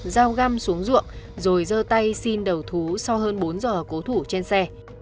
giao găm xuống ruộng rồi dơ tay xin đầu thú sau hơn bốn giờ cố thủ trên xe